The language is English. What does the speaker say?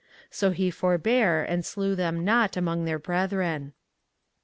So he forbare, and slew them not among their brethren.